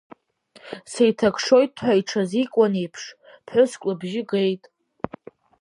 Сеиҭакшоит ҳәа иҽазикуан еиԥш, ԥҳәыск лыбжьы геит…